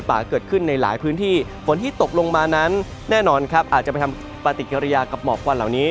อาจจะไปทำปฏิกิริยากับหมอกควันเหล่านี้